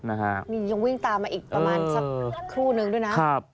นี่ยังวิ่งตามมาอีกประมาณสักครู่นึงด้วยนะครับ